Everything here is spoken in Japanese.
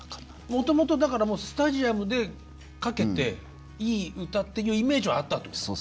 もともとだからスタジアムでかけていい歌っていうイメージはあったんですか？